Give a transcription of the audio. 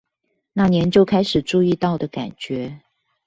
那年就開始注意到的感覺